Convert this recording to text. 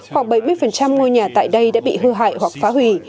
khoảng bảy mươi ngôi nhà tại đây đã bị hư hại hoặc phá hủy